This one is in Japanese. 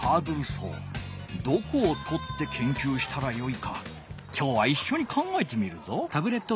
どこをとってけんきゅうしたらよいかきょうはいっしょに考えてみるぞ。